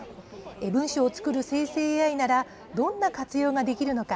文章を作る生成ＡＩならどんな活用ができるのか。